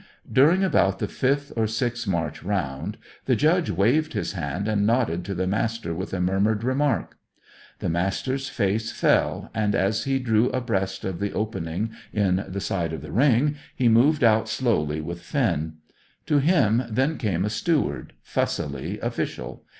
During about the fifth or sixth march round the Judge waved his hand and nodded to the Master with a murmured remark. The Master's face fell, and, as he drew abreast of the opening in the side of the ring, he moved out slowly with Finn. To him then came a steward, fussily official.